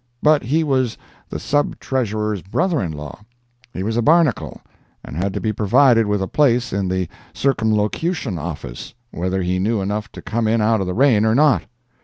But he was the Sub Treasurer's brother in law—he was a barnacle, and had to be provided with a place in the Circumlocution Office, whether he knew enough to come in out of the rain or not.